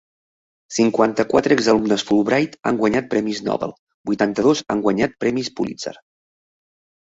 Cinquanta-quatre exalumnes Fulbright han guanyat premis Nobel; vuitanta-dos han guanyat premis Pulitzer.